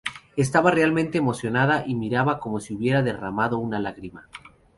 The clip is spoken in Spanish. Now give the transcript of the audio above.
Estaba realmente emocionada y miraba como si hubiera derramado una lágrima.